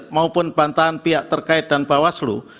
maupun bantahan pihak terkait dan bawaslu